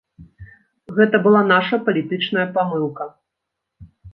Гэта была наша палітычная памылка.